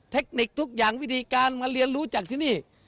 เทคนิคทุกอย่างวิธีการมาเรียนรู้จากที่นี่